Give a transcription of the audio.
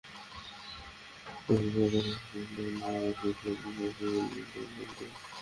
কতটুকু পানি পান করবেন তার অনেকটাই মস্তিষ্কের পিপাসা কেন্দ্র বলে দেবে।